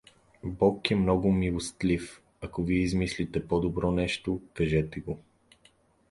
Бог е много милостив… Ако вие измислите по-добро нещо, кажете го.